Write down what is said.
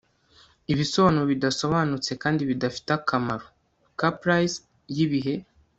Ibisobanuro bidasobanutse kandi bidafite akamaro caprice yibihe